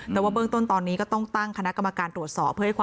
แต่ว่าเบื้องต้นตอนนี้ก็ต้องตั้งคณะกรรมการตรวจสอบ